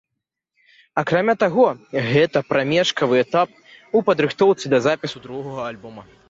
Акрамя таго, гэта прамежкавы этап у падрыхтоўцы да запісу другога альбома.